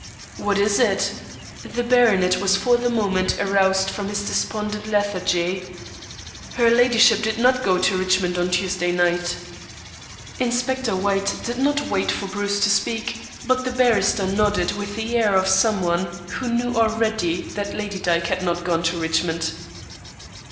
"What is it?" The baronet was for the moment aroused from his despondent lethargy. "Her ladyship did not go to Richmond on Tuesday night." Inspector White did not wait for Bruce to speak, but the barrister nodded with the air of one who knew already that Lady Dyke had not gone to Richmond.